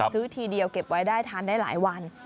ทีเดียวเก็บไว้ได้ทานได้หลายวัน